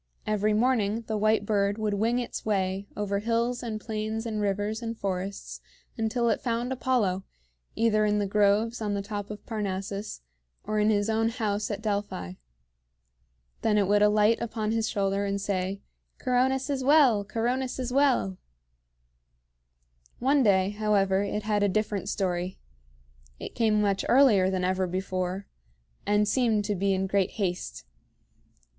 Every morning the white bird would wing its way over hills and plains and rivers and forests until it found Apollo, either in the groves on the top of Parnassus or in his own house at Delphi. Then it would alight upon his shoulder and say, "Coronis is well! Coronis is well!" One day, however, it had a different story. It came much earlier than ever before, and seemed to be in great haste.